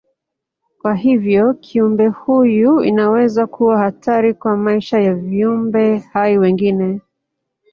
Kwa hivyo kiumbe huyu inaweza kuwa hatari kwa maisha ya viumbe hai wengine.